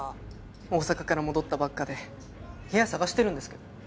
大阪から戻ったばっかで部屋探してるんですけど。